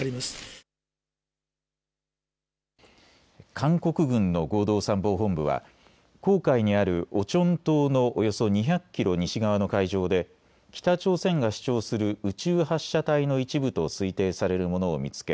韓国軍の合同参謀本部は黄海にあるオチョン島のおよそ２００キロ西側の海上で北朝鮮が主張する宇宙発射体の一部と推定されるものを見つけ